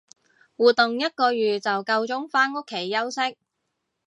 活動一個月就夠鐘返屋企休息